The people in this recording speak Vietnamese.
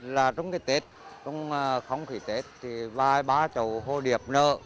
là trong cái tết trong khóng khí tết thì vài ba chầu hô điệp nở